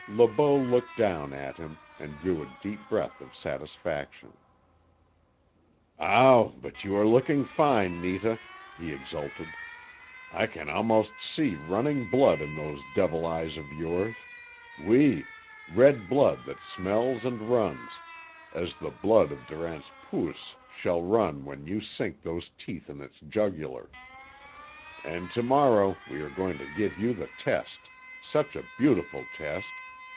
Le Beau looked down at him, and drew a deep breath of satisfaction. "OW! but you are looking fine, Netah," he exulted. "I can almost see running blood in those devil eyes of yours; OUI red blood that smells and runs, as the blood of Durant's POOS shall run when you sink those teeth in its jugular. And to morrow we are going to give you the test such a beautiful test!